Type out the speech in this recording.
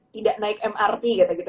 tidak naik mrt gitu gitu